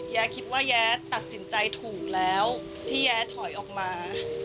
คิดว่าแย้ตัดสินใจถูกแล้วที่แย้ถอยออกมา